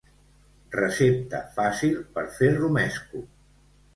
Recepta fàcil per fer romesco.